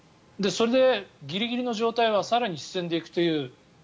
それでギリギリの状態は更に進んでいくという。